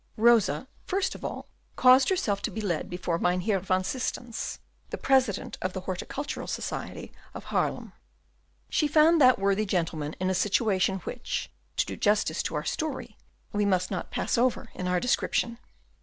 Rosa, first of all, caused herself to be led before Mynheer van Systens, the President of the Horticultural Society of Haarlem. She found that worthy gentleman in a situation which, to do justice to our story, we must not pass over in our description.